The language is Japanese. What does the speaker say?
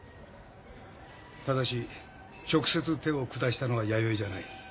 ただし直接手を下したのは弥生じゃない。